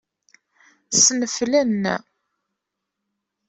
Ssneflen.